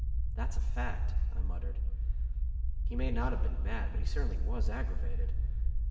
"That's a fact," I muttered. "He may not have been mad, but he certainly was aggravated.